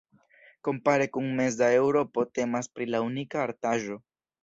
Kompare kun meza Eŭropo temas pri la unika artaĵo.